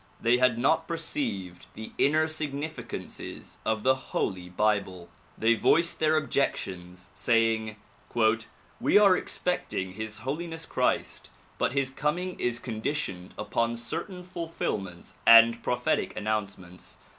They had not perceived the inner significances of the holy bible. They voiced their objections, say ing "We are expecting His Holiness Christ but his coming is conditioned upon certain fulfillments and prophetic announce ments.